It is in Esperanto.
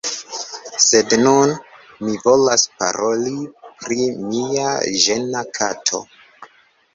Sed nun, mi volas paroli pri mia ĝena kato.